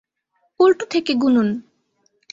উল্টো থেকে গুনুন।